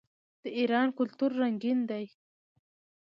د ایران کلتور رنګین دی.